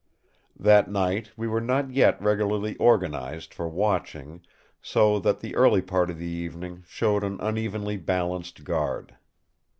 That night we were not yet regularly organised for watching, so that the early part of the evening showed an unevenly balanced guard.